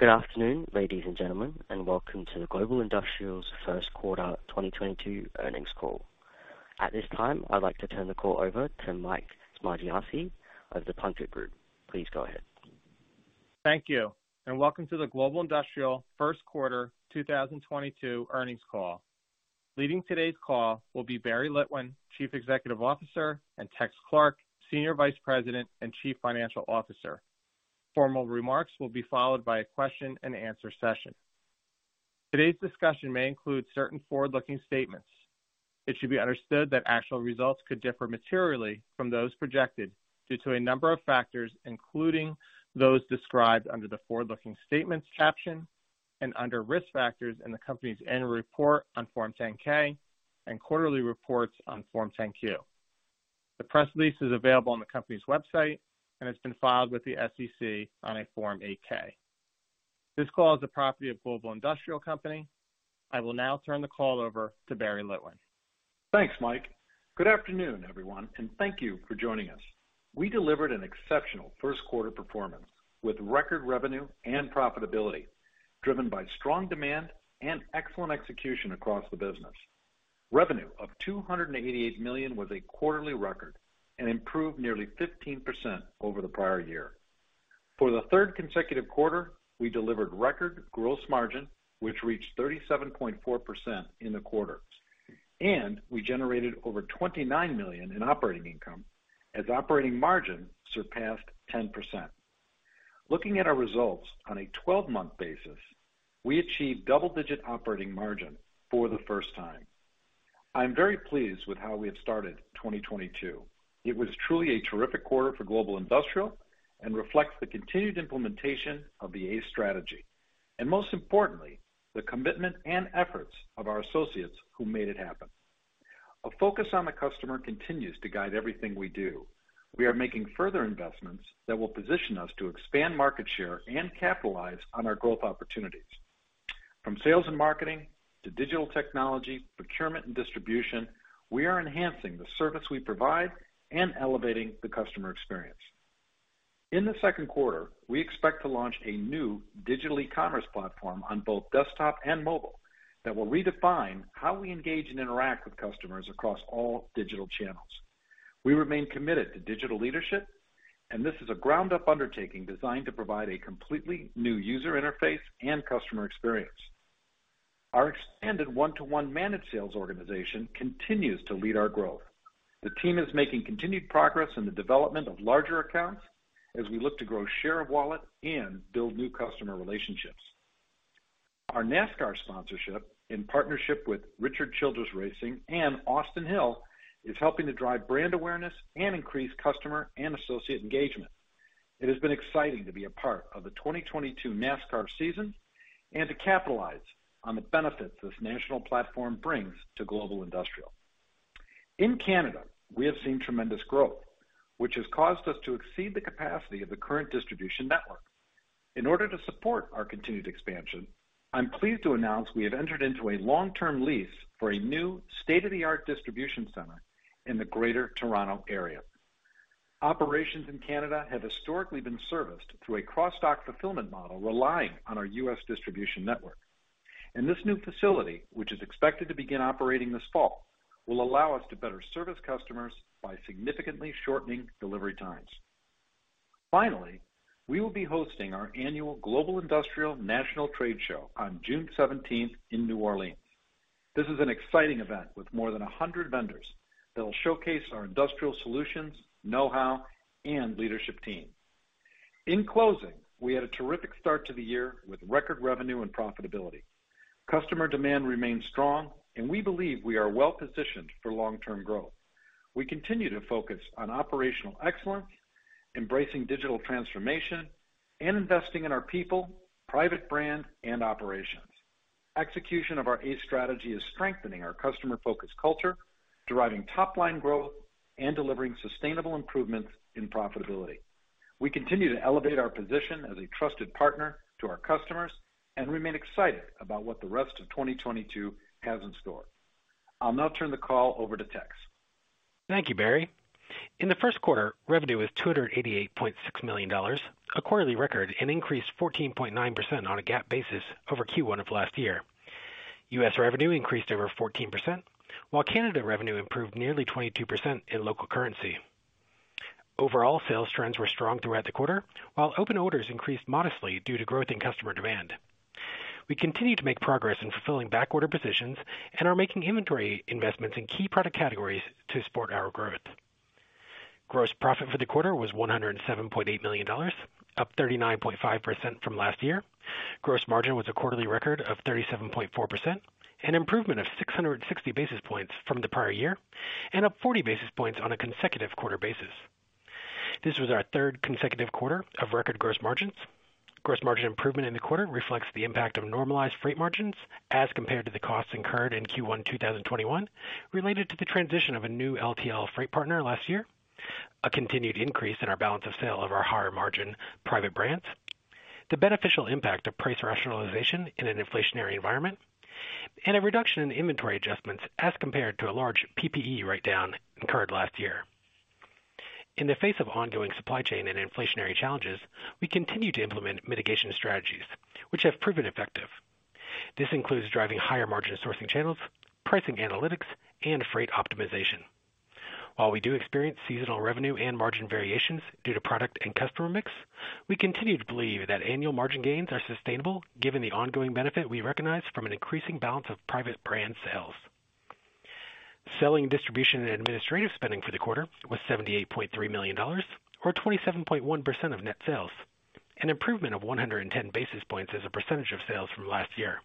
Good afternoon, ladies and gentlemen, and welcome to the Global Industrial Company's Q1 2022 earnings call. At this time, I'd like to turn the call over to Mike Smargiassi of The Plunkett Group. Please go ahead. Thank you, and welcome to the Global Industrial Q1 2022 earnings call. Leading today's call will be Barry Litwin, Chief Executive Officer, and Tex Clark, Senior Vice President and Chief Financial Officer. Formal remarks will be followed by a question-and-answer session. Today's discussion may include certain forward-looking statements. It should be understood that actual results could differ materially from those projected due to a number of factors, including those described under the Forward-Looking Statements caption and under Risk Factors in the company's annual report on Form 10-K and quarterly reports on Form 10-Q. The press release is available on the company's website and has been filed with the SEC on a Form 8-K. This call is the property of Global Industrial Company. I will now turn the call over to Barry Litwin. Thanks, Mike. Good afternoon, everyone, and thank you for joining us. We delivered an exceptional Q1 performance with record revenue and profitability driven by strong demand and excellent execution across the business. Revenue of $288 million was a quarterly record and improved nearly 15% over the prior year. For the third consecutive quarter, we delivered record gross margin, which reached 37.4% in the quarter, and we generated over $29 million in operating income as operating margin surpassed 10%. Looking at our results on a 12-month basis, we achieved double-digit operating margin for the first time. I am very pleased with how we have started 2022. It was truly a terrific quarter for Global Industrial and reflects the continued implementation of the ACE Strategy, and most importantly, the commitment and efforts of our associates who made it happen. A focus on the customer continues to guide everything we do. We are making further investments that will position us to expand market share and capitalize on our growth opportunities. From sales and marketing to digital technology, procurement and distribution, we are enhancing the service we provide and elevating the customer experience. In the Q2, we expect to launch a new digital e-commerce platform on both desktop and mobile that will redefine how we engage and interact with customers across all digital channels. We remain committed to digital leadership, and this is a ground-up undertaking designed to provide a completely new user interface and customer experience. Our expanded one-to-one managed sales organization continues to lead our growth. The team is making continued progress in the development of larger accounts as we look to grow share of wallet and build new customer relationships. Our NASCAR sponsorship in partnership with Richard Childress Racing and Austin Hill is helping to drive brand awareness and increase customer and associate engagement. It has been exciting to be a part of the 2022 NASCAR season and to capitalize on the benefits this national platform brings to Global Industrial. In Canada, we have seen tremendous growth, which has caused us to exceed the capacity of the current distribution network. In order to support our continued expansion, I'm pleased to announce we have entered into a long-term lease for a new state-of-the-art distribution center in the Greater Toronto Area. Operations in Canada have historically been serviced through a cross-dock fulfillment model, relying on our U.S. distribution network. This new facility, which is expected to begin operating this fall, will allow us to better service customers by significantly shortening delivery times. Finally, we will be hosting our annual Global Industrial National Trade Show on June seventeenth in New Orleans. This is an exciting event with more than 100 vendors that will showcase our industrial solutions, know-how, and leadership team In closing, we had a terrific start to the year with record revenue and profitability. Customer demand remains strong, and we believe we are well-positioned for long-term growth. We continue to focus on operational excellence, embracing digital transformation, and investing in our people, private brand, and operations. Execution of our ACE Strategy is strengthening our customer-focused culture, driving top-line growth, and delivering sustainable improvements in profitability. We continue to elevate our position as a trusted partner to our customers, and remain excited about what the rest of 2022 has in store. I'll now turn the call over to Tex. Thank you, Barry. In the Q1, revenue was $288.6 million, a quarterly record, and increased 14.9% on a GAAP basis over Q1 of last year. U.S. revenue increased over 14%, while Canada revenue improved nearly 22% in local currency. Overall sales trends were strong throughout the quarter, while open orders increased modestly due to growth in customer demand. We continue to make progress in fulfilling backorder positions and are making inventory investments in key product categories to support our growth. Gross profit for the quarter was $107.8 million, up 39.5% from last year. Gross margin was a quarterly record of 37.4%, an improvement of 660 basis points from the prior year, and up 40 basis points on a consecutive quarter basis. This was our third consecutive quarter of record gross margins. Gross margin improvement in the quarter reflects the impact of normalized freight margins as compared to the costs incurred in Q1 2021 related to the transition of a new LTL freight partner last year. A continued increase in our balance of sales of our higher-margin private brands, the beneficial impact of price rationalization in an inflationary environment, and a reduction in inventory adjustments as compared to a large PPE write-down incurred last year. In the face of ongoing supply chain and inflationary challenges, we continue to implement mitigation strategies which have proven effective. This includes driving higher margin sourcing channels, pricing analytics, and freight optimization. While we do experience seasonal revenue and margin variations due to product and customer mix, we continue to believe that annual margin gains are sustainable given the ongoing benefit we recognize from an increasing balance of private brand sales. Selling, general, and administrative spending for the quarter was $78.3 million, or 27.1% of net sales, an improvement of 110 basis points as a percentage of sales from last year.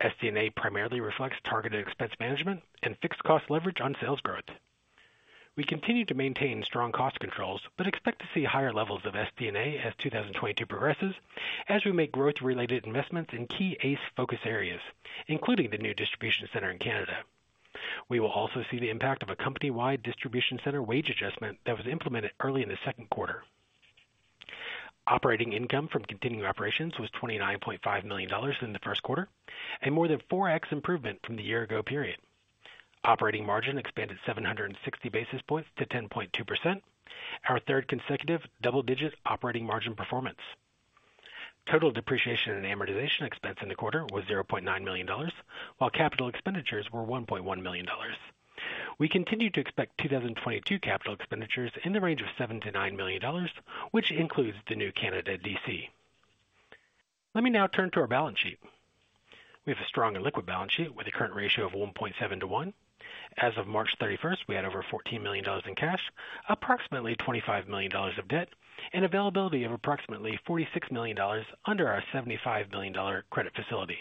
SG&A primarily reflects targeted expense management and fixed cost leverage on sales growth. We continue to maintain strong cost controls, but expect to see higher levels of SG&A as 2022 progresses as we make growth related investments in key ACE focus areas, including the new distribution center in Canada. We will also see the impact of a company-wide distribution center wage adjustment that was implemented early in the Q2. Operating income from continuing operations was $29.5 million in the Q1 at more than 4x improvement from the year ago period. Operating margin expanded 760 basis points to 10.2%, our third consecutive double digit operating margin performance. Total depreciation and amortization expense in the quarter was $0.9 million, while capital expenditures were $1.1 million. We continue to expect 2022 capital expenditures in the range of $7 million-$9 million, which includes the new Canada DC. Let me now turn to our balance sheet. We have a strong and liquid balance sheet with a current ratio of 1.7:1. As of March 31, we had over $14 million in cash, approximately $25 million of debt, and availability of approximately $46 million under our $75 million credit facility.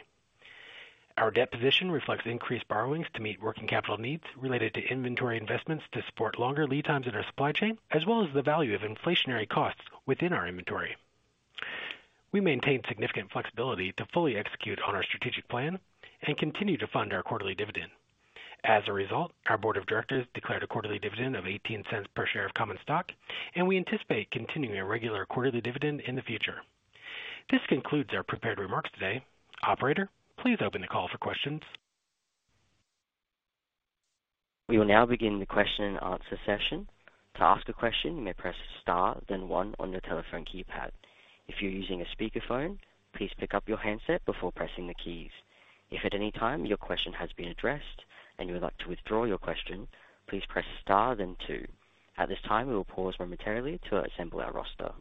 Our debt position reflects increased borrowings to meet working capital needs related to inventory investments to support longer lead times in our supply chain, as well as the value of inflationary costs within our inventory. We maintain significant flexibility to fully execute on our strategic plan and continue to fund our quarterly dividend. As a result, our board of directors declared a quarterly dividend of $0.18 per share of common stock, and we anticipate continuing a regular quarterly dividend in the future. This concludes our prepared remarks today. Operator, please open the call for questions. We will now begin the question and answer session. To ask a question, you may press Star then one on your telephone keypad. If you're using a speakerphone, please pick up your handset before pressing the keys. If at any time your question has been addressed and you would like to withdraw your question, please press Star then two. At this time, we will pause momentarily to assemble our roster.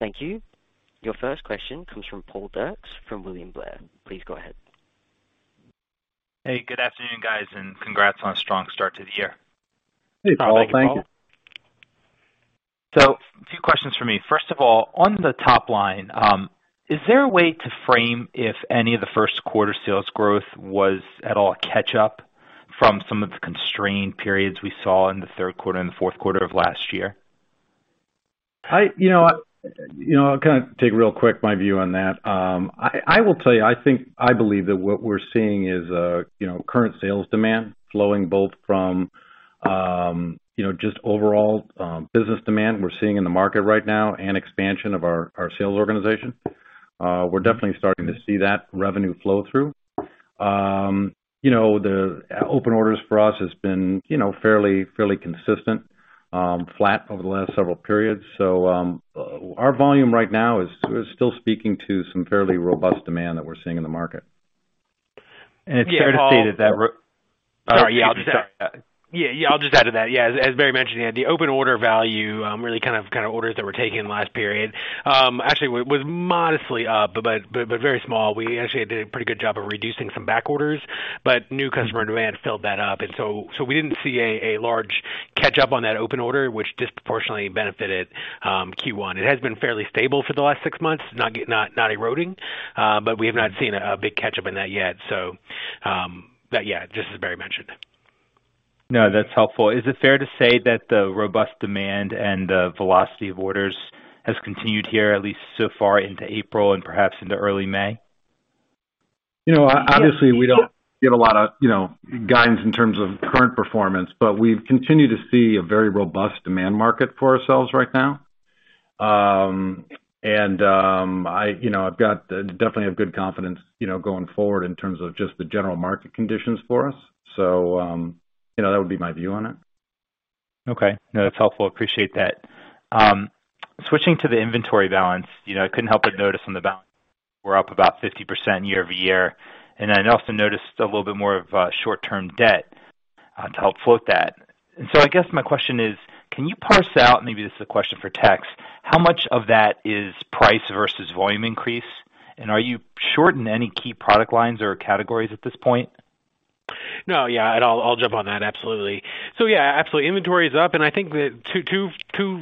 Thank you. Your first question comes from Paul Dirks from William Blair. Please go ahead. Hey, good afternoon, guys, and congrats on a strong start to the year. Hey, Paul. Thank you. A few questions for me. First of all, on the top line, is there a way to frame if any of the Q1 sales growth was at all a catch up from some of the constrained periods we saw in the Q3 and the Q4 of last year? You know, I'll kind of take real quick my view on that. I will tell you, I think I believe that what we're seeing is you know, current sales demand flowing both from you know, just overall business demand we're seeing in the market right now and expansion of our sales organization. We're definitely starting to see that revenue flow through. You know, the open orders for us has been you know, fairly consistent flat over the last several periods. Our volume right now is still speaking to some fairly robust demand that we're seeing in the market. It's fair to say that. Yeah, Paul. Yeah, I'm sorry. Yeah, yeah, I'll just add to that. Yeah. As Barry mentioned, the open order value, really kind of orders that were taken last period, actually was modestly up, but very small. We actually did a pretty good job of reducing some back orders, but new customer demand filled that up. We didn't see a large catch up on that open order, which disproportionately benefited Q1. It has been fairly stable for the last six months, not eroding, but we have not seen a big catch up in that yet. But yeah, just as Barry mentioned. No, that's helpful. Is it fair to say that the robust demand and the velocity of orders has continued here at least so far into April and perhaps into early May? You know, obviously we don't give a lot of, you know, guidance in terms of current performance, but we've continued to see a very robust demand market for ourselves right now. I definitely have good confidence, you know, going forward in terms of just the general market conditions for us. You know, that would be my view on it. Okay. No, that's helpful. Appreciate that. Switching to the inventory balance, you know, I couldn't help but notice on the balance we're up about 50% year-over-year. I also noticed a little bit more of short-term debt to help float that. I guess my question is, can you parse out, maybe this is a question for Tex, how much of that is price versus volume increase? Are you short in any key product lines or categories at this point? No. Yeah. I'll jump on that. Absolutely. Yeah, absolutely. Inventory is up and I think that two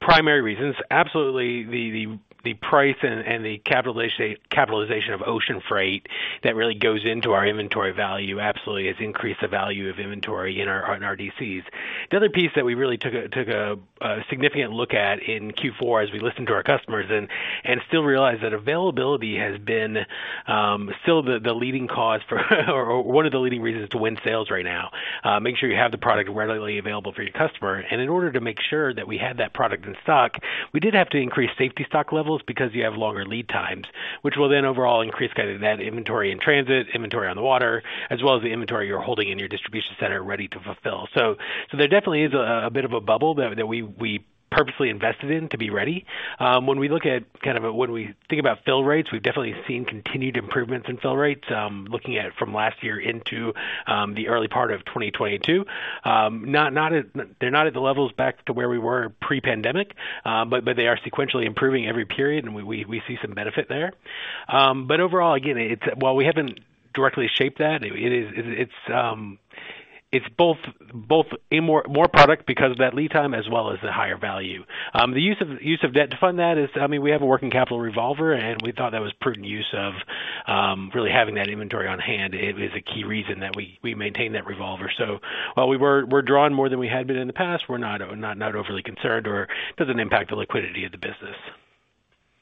primary reasons, absolutely the price and the capitalization of ocean freight that really goes into our inventory value. Absolutely, it's increased the value of inventory in our DCs. The other piece that we really took a significant look at in Q4 as we listened to our customers and still realized that availability has been still the leading cause for or one of the leading reasons to win sales right now. Make sure you have the product readily available for your customer. In order to make sure that we had that product in stock, we did have to increase safety stock levels because you have longer lead times, which will then overall increase kind of that inventory in transit, inventory on the water, as well as the inventory you're holding in your distribution center ready to fulfill. So there definitely is a bit of a bubble that we purposely invested in to be ready. When we think about fill rates, we've definitely seen continued improvements in fill rates, looking at it from last year into the early part of 2022. Not at—they're not at the levels back to where we were pre-pandemic, but they are sequentially improving every period, and we see some benefit there. Overall, again, while we haven't directly shaped that, it's both a more product because of that lead time as well as the higher value. The use of debt to fund that is, I mean, we have a working capital revolver, and we thought that was prudent use of really having that inventory on hand. It is a key reason that we maintain that revolver. While we're drawing more than we had been in the past, we're not overly concerned or doesn't impact the liquidity of the business.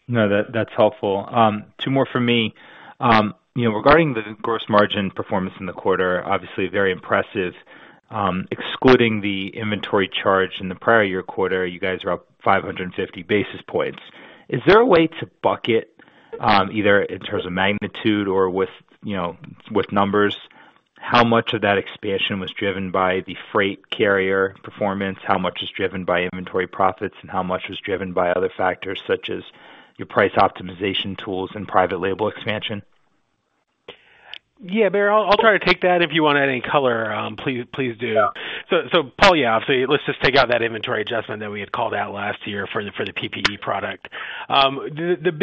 No, that's helpful. Two more from me. You know, regarding the gross margin performance in the quarter, obviously very impressive. Excluding the inventory charge in the prior year quarter, you guys are up 550 basis points. Is there a way to bucket either in terms of magnitude or with, you know, with numbers, how much of that expansion was driven by the freight carrier performance? How much was driven by inventory profits, and how much was driven by other factors such as your price optimization tools and private label expansion? Yeah, Barry, I'll try to take that. If you wanna add any color, please do. Yeah. Paul, yeah. Let's just take out that inventory adjustment that we had called out last year for the PPE product. The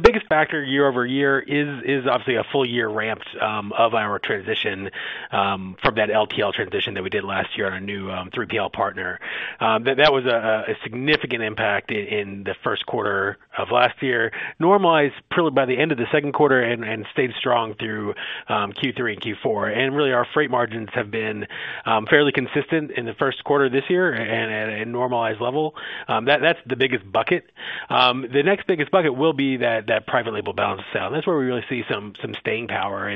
biggest factor year-over-year is obviously a full year ramped of our transition from that LTL transition that we did last year on our new 3PL partner. That was a significant impact in the Q1 of last year. Normalized probably by the end of the Q2 and stayed strong through Q3 and Q4. Really, our freight margins have been fairly consistent in the Q1 this year and at a normalized level. That's the biggest bucket. The next biggest bucket will be that private label balance of sales. That's where we really see some staying power.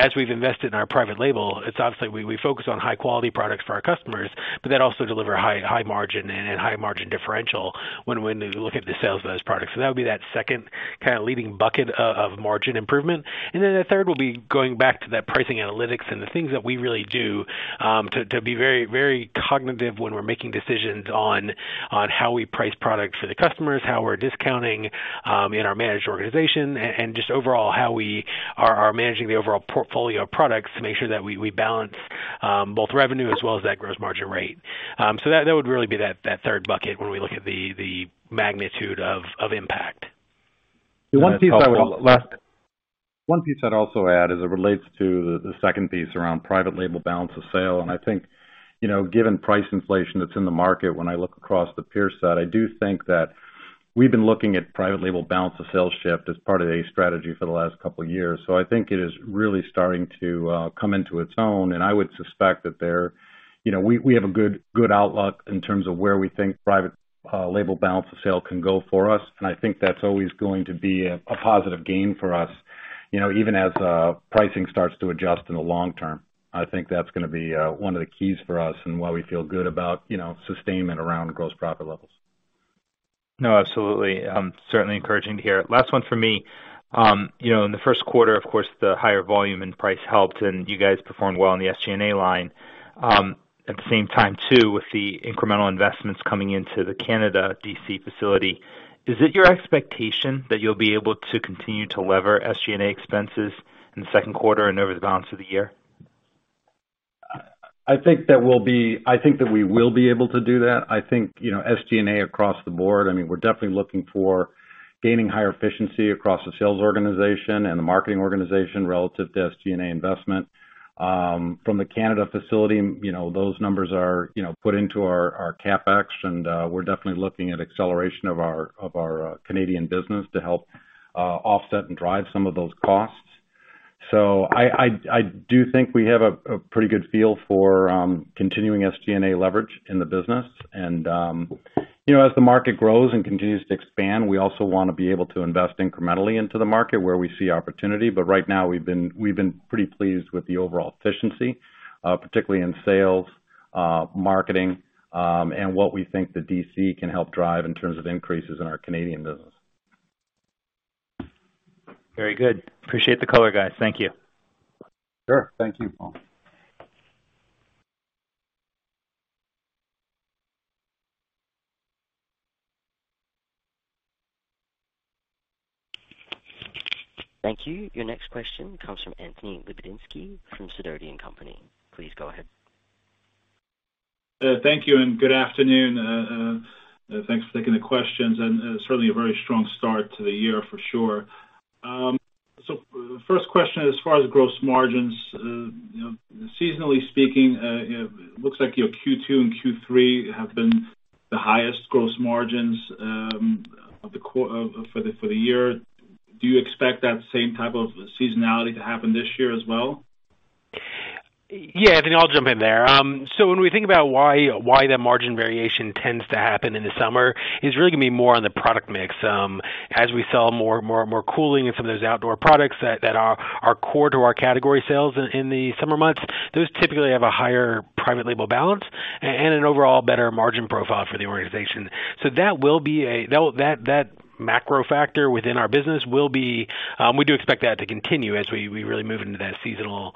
As we've invested in our private label, it's obvious we focus on high quality products for our customers, but that also deliver high margin and high margin differential when you look at the sales of those products. That would be that second kinda leading bucket of margin improvement. Then the third will be going back to that pricing analytics and the things that we really do to be very cognizant when we're making decisions on how we price products for the customers, how we're discounting in our managed organization, and just overall how we are managing the overall portfolio of products to make sure that we balance both revenue as well as that gross margin rate. That would really be that third bucket when we look at the magnitude of impact. That's helpful. One piece I'd also add as it relates to the second piece around private label balance of sale, and I think, you know, given price inflation that's in the market, when I look across the peer set, I do think that we've been looking at private label balance of sale shift as part of a strategy for the last couple of years. So I think it is really starting to come into its own. I would suspect that there you know, we have a good outlook in terms of where we think private label balance of sale can go for us, and I think that's always going to be a positive gain for us. You know, even as pricing starts to adjust in the long term, I think that's gonna be one of the keys for us and why we feel good about, you know, sustainment around gross profit levels. No, absolutely. Certainly encouraging to hear. Last one from me. You know, in the Q1, of course, the higher volume and price helped and you guys performed well in the SG&A line. At the same time too, with the incremental investments coming into the Canada DC facility, is it your expectation that you'll be able to continue to leverage SG&A expenses in the Q2 and over the balance of the year? I think that we will be able to do that. I think, you know, SG&A across the board, I mean, we're definitely looking for gaining higher efficiency across the sales organization and the marketing organization relative to SG&A investment. From the Canadian facility, you know, those numbers are, you know, put into our CapEx, and we're definitely looking at acceleration of our Canadian business to help offset and drive some of those costs. I do think we have a pretty good feel for continuing SG&A leverage in the business. You know, as the market grows and continues to expand, we also wanna be able to invest incrementally into the market where we see opportunity. Right now we've been pretty pleased with the overall efficiency, particularly in sales, marketing, and what we think the DC can help drive in terms of increases in our Canadian business. Very good. Appreciate the color, guys. Thank you. Sure. Thank you, Paul. Thank you. Your next question comes from Anthony Lebiedzinski from Sidoti & Company. Please go ahead. Thank you and good afternoon. Thanks for taking the questions, and certainly a very strong start to the year for sure. First question, as far as gross margins, you know, seasonally speaking, you know, looks like your Q2 and Q3 have been the highest gross margins of the quarters for the year. Do you expect that same type of seasonality to happen this year as well? Yeah. I think I'll jump in there. When we think about why that margin variation tends to happen in the summer, it's really gonna be more on the product mix. As we sell more and more cooling and some of those outdoor products that are core to our category sales in the summer months, those typically have a higher private label balance and an overall better margin profile for the organization. That macro factor within our business will be, we do expect that to continue as we really move into that seasonal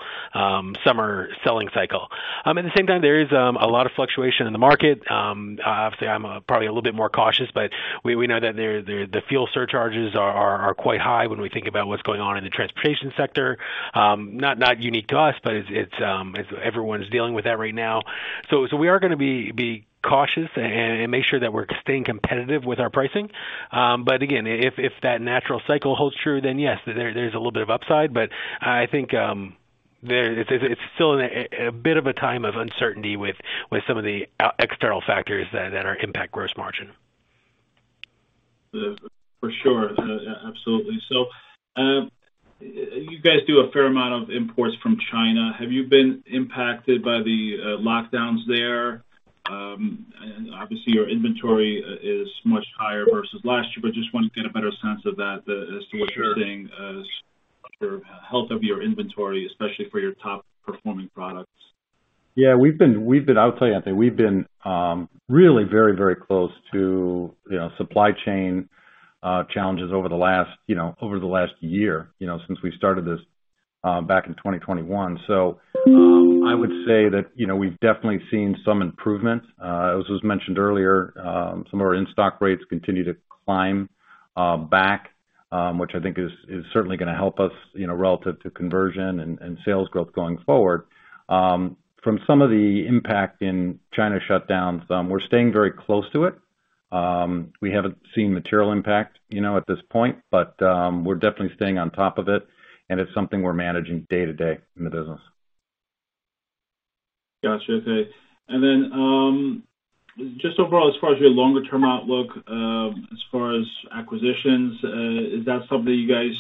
summer selling cycle. At the same time, there is a lot of fluctuation in the market. Obviously, I'm probably a little bit more cautious, but we know that the fuel surcharges are quite high when we think about what's going on in the transportation sector. It's not unique to us, but it's something everyone's dealing with right now. We are going to be cautious and make sure that we're staying competitive with our pricing. Again, if that natural cycle holds true, then yes, there's a little bit of upside, but I think it's still in a bit of a time of uncertainty with some of the external factors that are impacting gross margin. For sure. Absolutely. You guys do a fair amount of imports from China. Have you been impacted by the lockdowns there? Obviously, your inventory is much higher versus last year, but just wanted to get a better sense of that as to what you're seeing as for health of your inventory, especially for your top performing products. Yeah. We've been... I'll tell you, Anthony, we've been really very close to, you know, supply chain challenges over the last year, you know, since we started this back in 2021. I would say that, you know, we've definitely seen some improvement. As was mentioned earlier, some of our in-stock rates continue to climb back, which I think is certainly gonna help us, you know, relative to conversion and sales growth going forward. From some of the impact in China shutdowns, we're staying very close to it. We haven't seen material impact, you know, at this point, but we're definitely staying on top of it and it's something we're managing day to day in the business. Gotcha. Okay, just overall, as far as your longer term outlook, as far as acquisitions, is that something you guys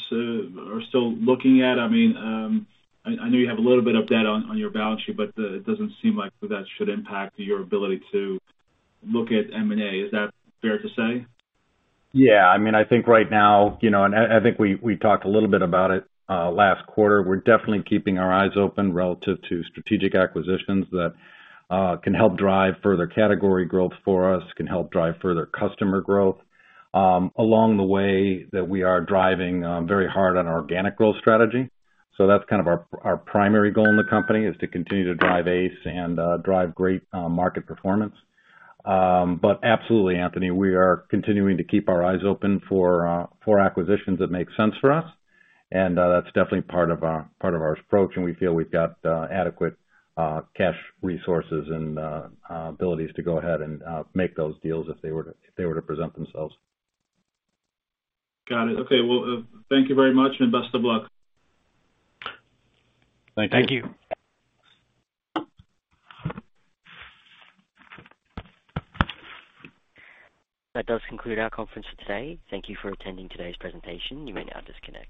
are still looking at? I mean, I know you have a little bit of debt on your balance sheet, but it doesn't seem like that should impact your ability to look at M&A. Is that fair to say? Yeah. I mean, I think right now, you know, and we talked a little bit about it last quarter. We're definitely keeping our eyes open relative to strategic acquisitions that can help drive further category growth for us, can help drive further customer growth, along the way that we are driving very hard on our organic growth strategy. That's kind of our primary goal in the company, is to continue to drive ACE and drive great market performance. Absolutely, Anthony, we are continuing to keep our eyes open for acquisitions that make sense for us. That's definitely part of our approach, and we feel we've got adequate cash resources and abilities to go ahead and make those deals if they were to present themselves. Got it. Okay. Well, thank you very much and best of luck. Thank you. Thank you. That does conclude our conference for today. Thank you for attending today's presentation. You may now disconnect.